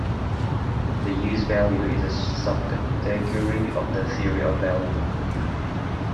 The Use Value is a subcategory of the theory of value.